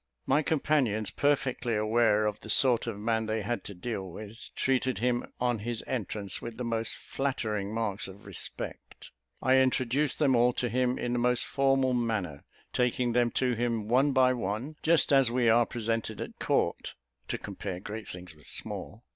My companions, perfectly aware of the sort of man they had to deal with, treated him on his entrance with the most flattering marks of respect. I introduced them all to him in the most formal manner, taking them to him, one by one, just as we are presented at court to compare great things with small.